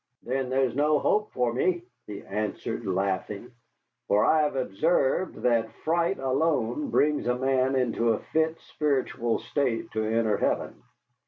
"Then there's no hope for me," he answered, laughing, "for I have observed that fright alone brings a man into a fit spiritual state to enter heaven.